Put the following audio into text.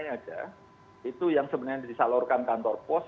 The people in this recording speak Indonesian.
itu sebenarnya yang sebenarnya yang disalurkan kantor pos